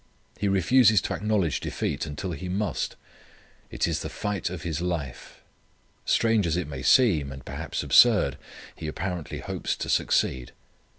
He refuses to acknowledge defeat until he must. It is the fight of his life. Strange as it must seem, and perhaps absurd, he apparently hopes to succeed.